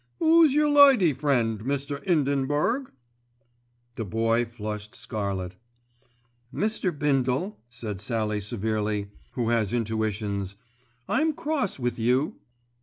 'Ooo's yer lady friend, Mr. 'Indenburg?" The Boy flushed scarlet. "Mr. Bindle," said Sallie severely, who has intuitions, "I'm cross with you."